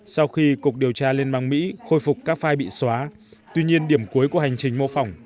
sau khi cục điều tra liên bang mỹ khôi phục các file bị xóa tuy nhiên điểm cuối của hành trình mô phỏng